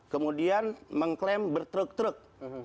kemudian mengklaim bertruk truk